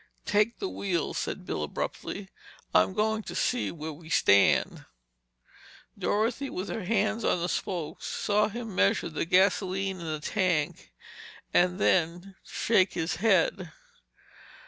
"Take the wheel!" said Bill abruptly. "I'm going to see where we stand." Dorothy, with her hands on the spokes, saw him measure the gasoline in the tank and then shake his head.